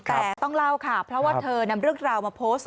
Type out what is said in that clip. แต่ต้องเล่าค่ะเพราะว่าเธอนำเรื่องราวมาโพสต์